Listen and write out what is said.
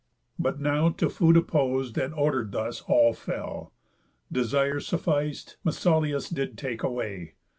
But now, to food appos'd, and order'd thus, All fell. Desire suffic'd, Mesauliús Did take away.